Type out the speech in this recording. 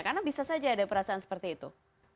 karena bisa saja ada perasaan seperti itu